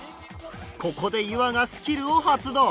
ここでゆわがスキルを発動。